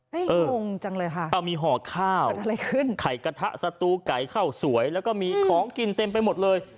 งงจังเลยค่ะเอามีห่อข้าวไข่กระทะสตูไก่ข้าวสวยแล้วก็มีของกินเต็มไปหมดเลย